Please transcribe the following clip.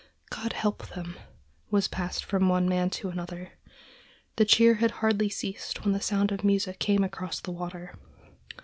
"God help them!" was passed from one man to another. The cheer had hardly ceased when the sound of music came across the water.